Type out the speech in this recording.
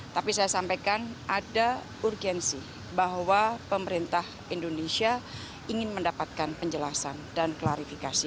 tapi saya sampaikan ada urgensi bahwa pemerintah indonesia ingin mendapatkan penjelasan dan klarifikasi